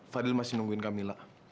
fadil masih nungguin kamila